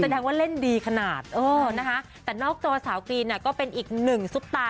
แสดงว่าเล่นดีขนาดแต่นอกตัวสาวกรีนก็เป็นอีก๑ซุปตา